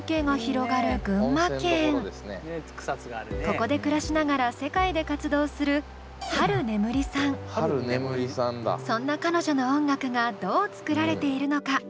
ここで暮らしながら世界で活動するそんな彼女の音楽がどう作られているのか？